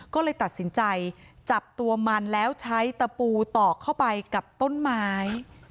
ก็เลยตัดสินใจจับตัวมันแล้วใช้ตะปูตอกเข้าไปกับต้นไม้